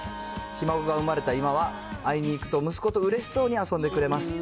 ひ孫が産まれた今は、会いにいくと息子とうれしそうに遊んでくれます。